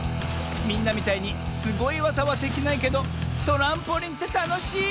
みんなみたいにすごいわざはできないけどトランポリンってたのしい！